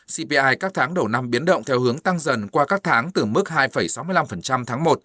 cpi các tháng đầu năm biến động theo hướng tăng dần qua các tháng từ mức hai sáu mươi năm tháng một